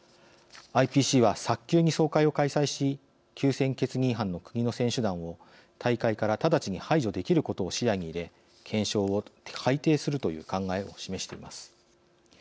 ＩＰＣは早急に総会を開催し休戦決議違反の国の選手団を大会から直ちに排除できることを視野に入れ憲章を改訂するという考えを示しています。